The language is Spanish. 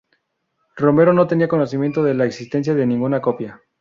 Romero no tenía conocimiento de la existencia de ninguna copia.